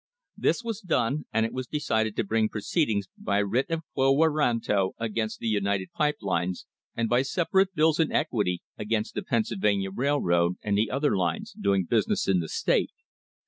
This was done, and it was decided to bring proceedings by writ of quo warranto against the United Pipe Lines, and by separate bills in equity against the Pennsylvania Railroad and the other lines doing business in the state.